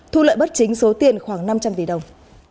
thu lợi bất chính số tiền khoảng năm trăm linh tỷ đồng